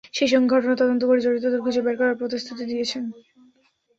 সেই সঙ্গে ঘটনা তদন্ত করে জড়িতদের খুঁজে বের করার প্রতিশ্রুতি দিয়েছেন।